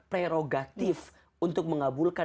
prerogatif untuk mengabulkan